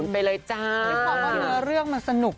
เพราะว่าเนื้อเรื่องมันสนุก